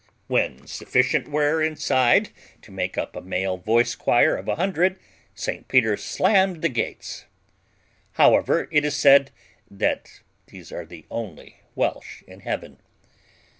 When sufficient were inside to make up a male voice choir of a hundred, St Peter slammed the gates. However, it is said that these are the only Welsh in Heaven.